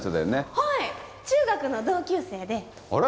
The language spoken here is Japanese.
はい中学の同級生であれ？